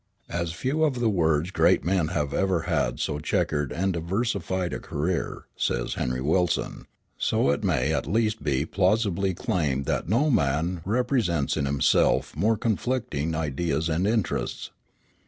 "As few of the world's great men have ever had so checkered and diversified a career," says Henry Wilson, "so it may at least be plausibly claimed that no man represents in himself more conflicting ideas and interests.